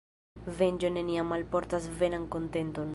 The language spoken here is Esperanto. Venĝo neniam alportas veran kontenton.